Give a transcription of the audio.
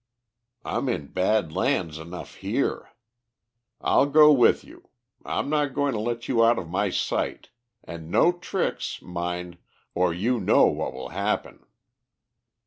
"I'm in bad lands enough here. I'll go with you. I'm not going to let you out of my sight, and no tricks, mind, or you know what will happen."